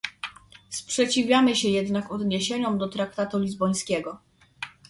Sprzeciwiamy się jednak odniesieniom do traktatu lizbońskiego